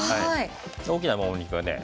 大きなもも肉はね